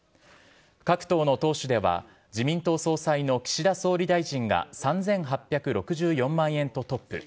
各党の党首では、自民党総裁の岸田総理大臣が３８６４万円とトップ。